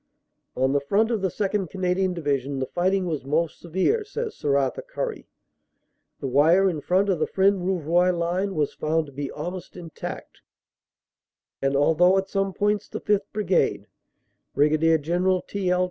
"On the front of the 2nd. Canadian Division the fighting was most severe," savs Sir Arthur Currie. "The wire in front 7 of the Fresnes Rouvroy line was found to be almost intact. OPERATIONS: AUG. 28 137 and although at some points the 5th. Brigade (Brig. General T. L.